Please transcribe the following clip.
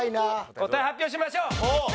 答え発表しましょう！